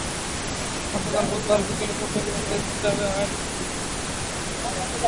গতকাল বুধবার বিকেলে চট্টগ্রাম প্রেসক্লাবে আয়োজিত কমিটির পক্ষ থেকে সংবাদ সম্মেলন করা।